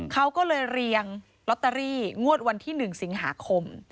เขาก็เลยเรียงลอตเตอรี่งวดวันที่๑สิงหาคม